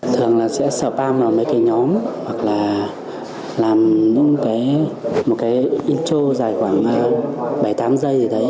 thường là sẽ spam vào mấy cái nhóm hoặc là làm những cái intro dài khoảng bảy tám giây gì đấy